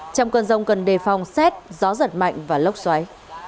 trong cơn rông cần đề phòng xét gió giật mạnh và lốc xoáy